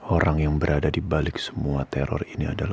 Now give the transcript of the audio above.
orang yang berada di balik semua teror ini adalah